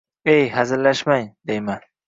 – Ey, hazillashmang, – deyman.